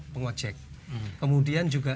pengojek kemudian juga